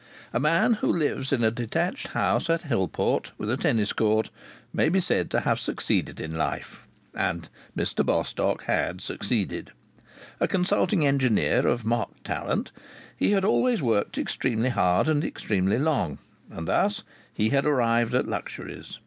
A man who lives in a detached house at Hillport, with a tennis court, may be said to have succeeded in life. And Mr Bostock had succeeded. A consulting engineer of marked talent, he had always worked extremely hard and extremely long, and thus he had arrived at luxuries.